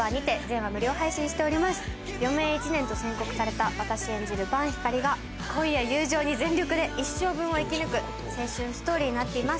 余命１年と宣告された私演じる伴ひかりが恋や友情に全力で一生分を生き抜く青春ストーリーになっています